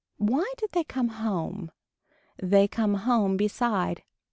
Why did they come home. They come home beside.